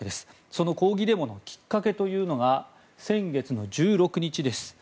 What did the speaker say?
その抗議デモのきっかけというのが先月の１６日です。